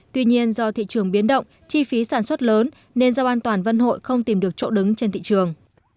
tuy nhiên do thị trường biến động chi phí sản xuất lớn nên rau an toàn vân hội không tìm được chỗ đứng trên thị trường